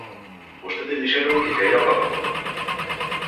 Vostedes dixeron que caera a plataforma.